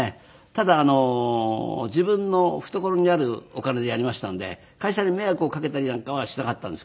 ただ自分の懐にあるお金でやりましたので会社に迷惑をかけたりなんかはしなかったんですけど。